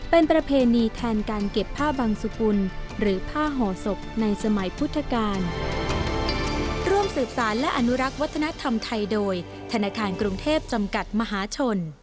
เป็นประเพณีแทนการเก็บผ้าบังสุกุลหรือผ้าห่อศพในสมัยพุทธกาล